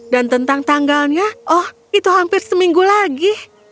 dan tentang tanggalnya oh itu hampir seminggu lagi